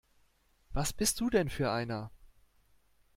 Was bist du denn für einer?